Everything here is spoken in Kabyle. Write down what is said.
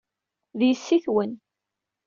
D yessi-twen.